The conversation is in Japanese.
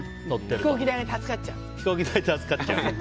飛行機代が助かっちゃう。